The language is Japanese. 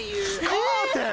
カーテン？